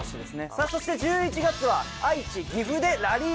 さあそして１１月は愛知岐阜でラリージャパン！